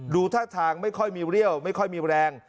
ท่าทางไม่ค่อยมีเรี่ยวไม่ค่อยมีแรง